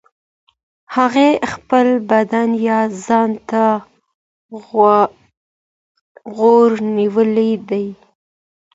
هغې خپل بدن يا ځان ته غوږ نيولی دی.